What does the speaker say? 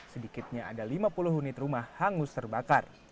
sedikitnya ada lima puluh unit rumah hangus terbakar